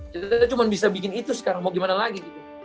kita cuma bisa bikin itu sekarang mau gimana lagi gitu